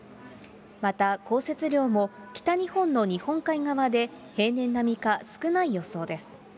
また降雪量も北日本の日本海側で平年並みか少ない予想です。